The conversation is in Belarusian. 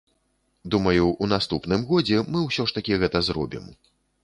Думаю, у наступным годзе мы ўсё ж такі гэта зробім.